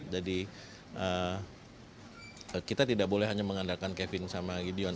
jadi kita tidak boleh hanya mengandalkan kevin sama gideon